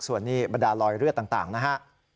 ส่วนนี้บรรดาลอยเลือดต่างนะฮะ